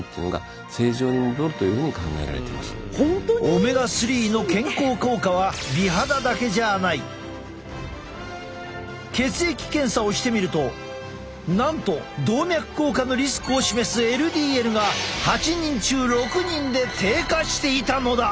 オメガ３の健康効果は血液検査をしてみるとなんと動脈硬化のリスクを示すＬＤＬが８人中６人で低下していたのだ。